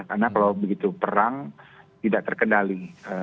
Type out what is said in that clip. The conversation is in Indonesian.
karena kalau begitu perang tidak terkendali